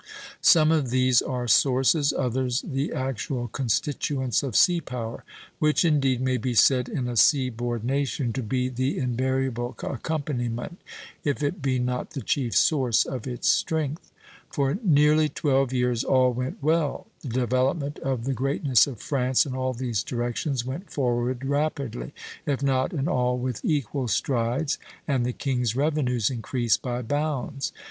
Some of these are sources, others the actual constituents, of sea power; which indeed may be said in a seaboard nation to be the invariable accompaniment, if it be not the chief source, of its strength. For nearly twelve years all went well; the development of the greatness of France in all these directions went forward rapidly, if not in all with equal strides, and the king's revenues increased by bounds.